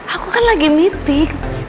aku kan lagi meeting